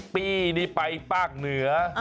ปี้นี่ไปภาคเหนือ